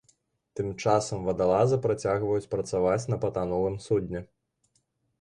Тым часам вадалазы працягваюць працаваць на патанулым судне.